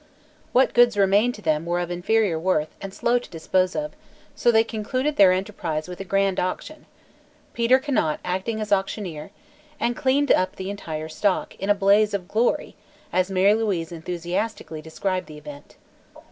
What goods remained to them were of inferior worth and slow to dispose of, so they concluded their enterprise with a "grand auction," Peter Conant acting as auctioneer, and cleaned up the entire stock "in a blaze of glory," as Mary Louise enthusiastically described the event.